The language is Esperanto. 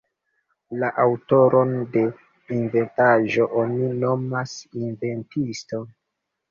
La aŭtoron de inventaĵo oni nomas inventisto.